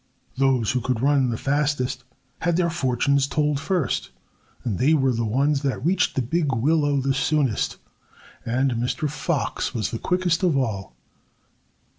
Those who could run the fastest had their fortunes told first, for they were the ones that reached the big willow the soonest. And Mr. Fox was the quickest of all.